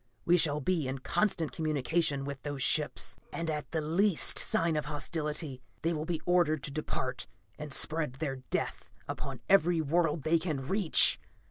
We shall be in constant communication with those ships, and at the least sign of hostility, they will be ordered to depart and spread their death upon every world they can reach.